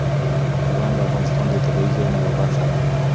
باران د افغانستان د طبیعي زیرمو یوه برخه ده.